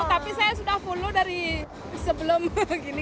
tapi saya sudah full dari sebelum begini